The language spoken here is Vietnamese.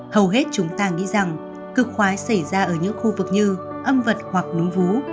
hầu hết chúng ta nghĩ rằng cực khói xảy ra ở những khu vực như âm vật hoặc núi vú